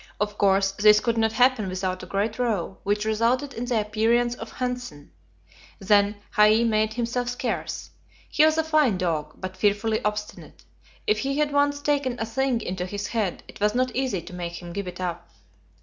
Of course, this could not happen without a great row, which resulted in the appearance of Hanssen; then Hai made himself scarce. He was a fine dog, but fearfully obstinate; if he had once taken a thing into his head, it was not easy to make him give it up.